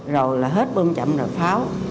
rồi là hết bom chậm rồi pháo